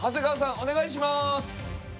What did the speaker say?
お願いします！